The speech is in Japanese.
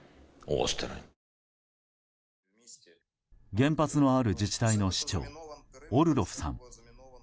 原発のある自治体の市長オルロフさん。